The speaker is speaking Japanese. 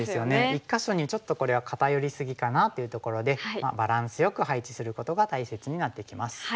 １か所にちょっとこれは片寄り過ぎかなというところでバランスよく配置することが大切になってきます。